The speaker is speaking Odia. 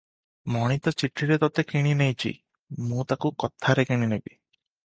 ମଣି ତ ଚିଠିରେ ତୋତେ କିଣି ନେଇଚି- ମୁଁ ତାକୁ କଥାରେ କିଣିନେବି ।